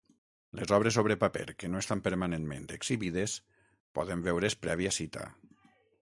Les obres sobre paper que no estan permanentment exhibides poden veure's prèvia cita.